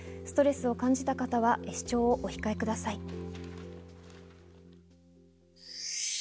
ストレスを感じられた方は視聴をお控えください。